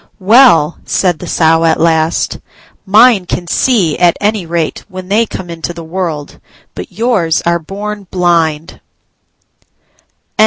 "Well," said the Sow at last, "mine can see, at any rate, when they come into the world: but yours are born blind."